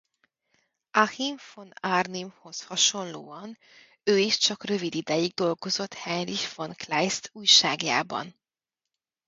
Achim von Arnimhoz hasonlóan ő is csak rövid ideig dolgozott Heinrich von Kleist újságjában.